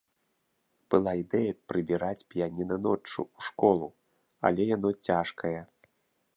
Была ідэя прыбіраць піяніна ноччу ў школу, але яно цяжкае.